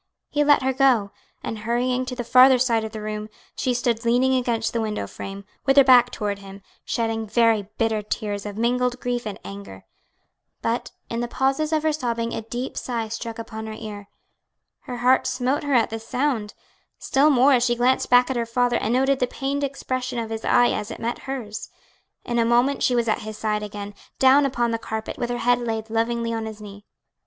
He let her go, and hurrying to the farther side of the room, she stood leaning against the window frame, with her back toward him, shedding very bitter tears of mingled grief and anger. But in the pauses of her sobbing a deep sigh struck upon her ear. Her heart smote her at the sound; still more as she glanced back at her father and noted the pained expression of his eye as it met hers. In a moment she was at his side again, down upon the carpet, with her head laid lovingly on his knee.